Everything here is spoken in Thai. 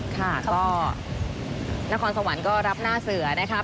ค่ะก็นครสวรรค์ก็รับหน้าเสือนะครับ